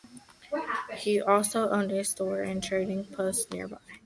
He also owned a store and trading post nearby.